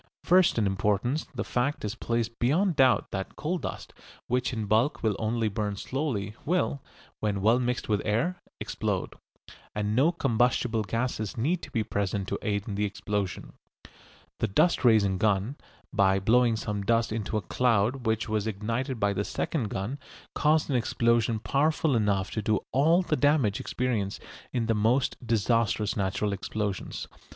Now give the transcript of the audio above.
First in importance the fact is placed beyond doubt that coal dust, which in bulk will only burn slowly, will, when well mixed with air, explode. And no combustible gas need be present to aid in the explosion. The dust raising gun, by blowing some dust into a cloud which was ignited by the second gun, caused an explosion powerful enough to do all the damage experienced in the most disastrous natural explosions.